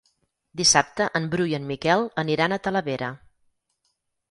Dissabte en Bru i en Miquel aniran a Talavera.